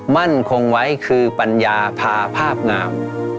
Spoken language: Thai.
มั่นคงไว้คือปัญญาพาภาพงาม